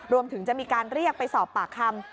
รวมถึงจะมีการเรียกไปสอบปากคำ